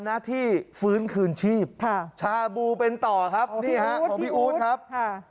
หน้าที่ฟื้นคืนชีพค่ะชาบูเป็นต่อครับนี่ฮะของพี่อู๊ดครับค่ะ